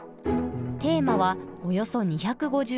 テーマはおよそ２５０。